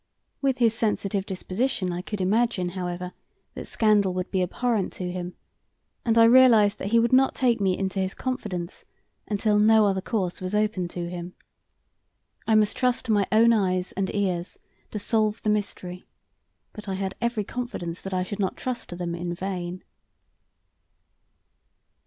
With his sensitive disposition I could imagine, however, that scandal would be abhorrent to him, and I realized that he would not take me into his confidence until no other course was open to him. I must trust to my own eyes and ears to solve the mystery, but I had every confidence that I should not trust to them in vain.